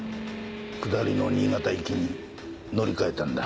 下りの新潟行きに乗り換えたんだ。